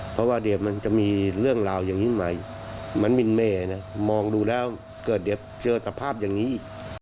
เพราะว่าเดี๋ยวมันจะมีเรื่องราวอย่างนี้มาอีกเหมือนมินเมนะมองดูแล้วเกิดเดี๋ยวเจอสภาพอย่างนี้อีก